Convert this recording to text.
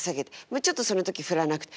まあちょっとその時降らなくて。